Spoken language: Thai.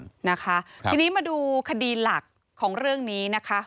นะคะทีนี้มาดูคดีหลักของเรื่องนี้นะคะ